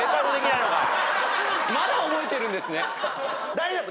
大丈夫。